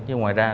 chứ ngoài ra